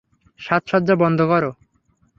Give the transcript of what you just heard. সাজসজ্জা বন্ধ করো!